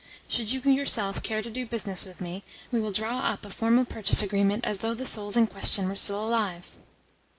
Should you yourself care to do business with me, we will draw up a formal purchase agreement as though the souls in question were still alive."